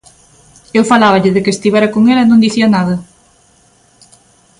Eu faláballe de que estivera con el e non dicía nada.